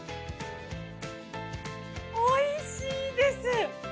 おいしいです。